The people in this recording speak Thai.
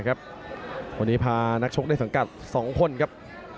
วันนี้พานักชกในสังกัด๒คนครับ